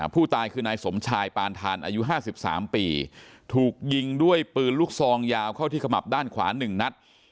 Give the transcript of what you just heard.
ผู้ตายคือนายสมชายปานทานอายุ๕๓ปีถูกยิงด้วยปืนลูกซองยาวเข้าที่ขมับด้านขวา๑นัด